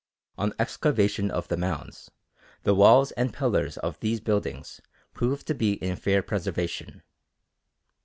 On excavation of the mounds, the walls and pillars of these buildings prove to be in fair preservation.